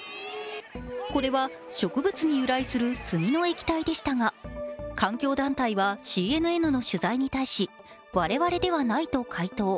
これは植物に由来する炭の液体でしたが、環境団体はＣＮＮの取材に対し、我々ではないと回答。